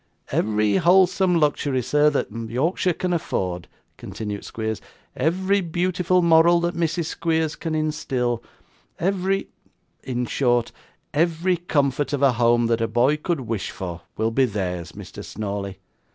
'Every wholesome luxury, sir, that Yorkshire can afford,' continued Squeers; 'every beautiful moral that Mrs. Squeers can instil; every in short, every comfort of a home that a boy could wish for, will be theirs, Mr. Snawley.